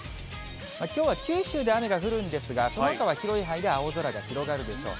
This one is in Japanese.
きょうは九州で雨が雨が降るんですが、そのあとは広い範囲で青空が広がるでしょう。